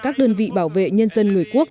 các đơn vị bảo vệ nhân dân người quốc